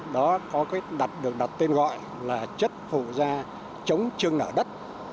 đó được đặt tên gọi là chất phụ da chống chương nở đất